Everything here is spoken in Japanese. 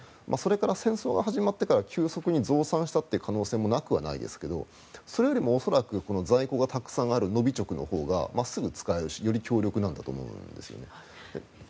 それから戦争が始まってから急速に増産したこともなくはないですがそれよりも恐らく在庫がたくさんあるノビチョクのほうがすぐ使えるしより強力なんだと思います。